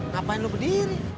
ngapain lu berdiri